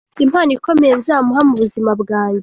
Impano ikomeye nzamuha mu buzima bwanjye.